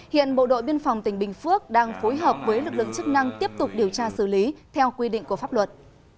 hiện bộ đội biên phòng tỉnh bình phước đang phối hợp với lực lượng chức năng tiếp tục điều tra xử lý theo quy định của pháp luật